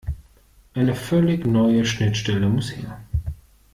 Eine völlig neue Schnittstelle muss her.